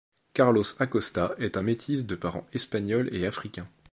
Carlos Acosta est un métis de parents espagnol et africain.